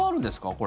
これ。